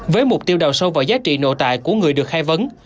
với mục tiêu đào sâu vào giá trị nội tại của người được khai vấn